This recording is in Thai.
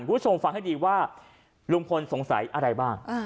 คุณผู้ชมฟังให้ดีว่าลุงพลสงสัยอะไรบ้าง